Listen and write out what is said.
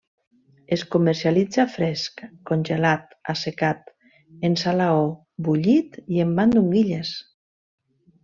Es comercialitza fresc, congelat, assecat, en salaó, bullit i en mandonguilles.